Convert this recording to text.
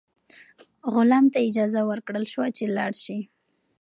غلام ته اجازه ورکړل شوه چې لاړ شي.